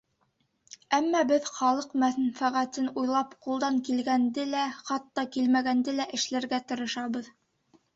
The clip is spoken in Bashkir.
Әммә беҙ халыҡ мәнфәғәтен уйлап, ҡулдан килгәнде лә, хатта килмәгәнде лә эшләргә тырышабыҙ.